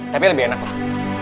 tapi lebih enak lah